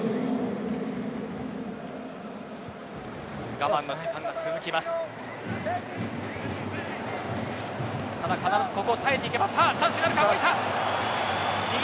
我慢の時間が続きます、日本。